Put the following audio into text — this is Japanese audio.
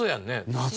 謎。